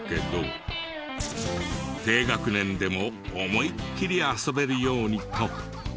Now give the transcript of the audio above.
低学年でも思いっきり遊べるようにと。